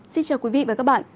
xin chào quý vị và các bạn